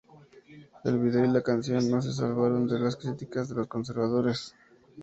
El vídeo y la canción no se salvaron de las críticas de los conservadores.